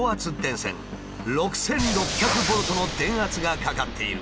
６，６００ボルトの電圧がかかっている。